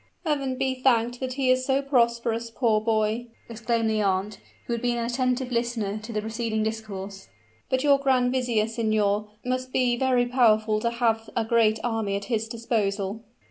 "Heaven be thanked that he is so prosperous, poor boy!" exclaimed the aunt, who had been an attentive listener to the preceding discourse. "But your grand vizier, signor, must be very powerful to have a great army at his disposal."